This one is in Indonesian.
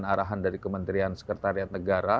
arahan dari kementerian sekretariat negara